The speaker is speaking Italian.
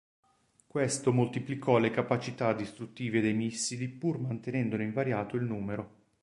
Questo moltiplicò le capacità distruttive dei missili pur mantenendone invariato il numero.